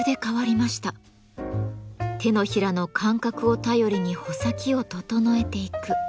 手のひらの感覚を頼りに穂先を整えていく。